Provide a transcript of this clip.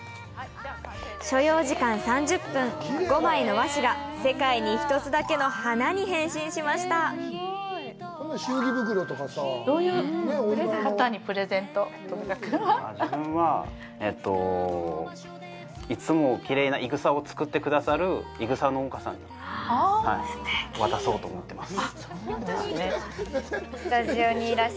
所要時間３０分５枚の和紙が世界に１つだけの花に変身しましたどういう方にプレゼントとか自分はえっといつもキレイないぐさを作ってくださるいぐさ農家さんに渡そうと思ってますそうなんですね